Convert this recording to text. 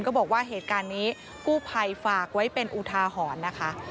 บอกว่าเหตุการณ์นี้กู้ภัยฝากไว้เป็นอุทาหรณ์นะคะ